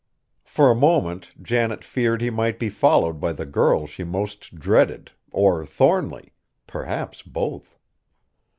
For a moment Janet feared he might be followed by the girl she most dreaded or Thornly, perhaps both.